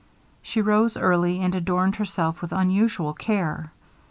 She rose early, and adorned herself with unusual care.